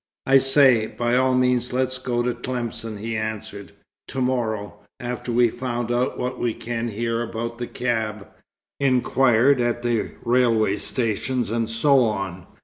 "I say, by all means let's go to Tlemcen," he answered. "To morrow, after we've found out what we can here about the cab, inquired at the railway stations and so on.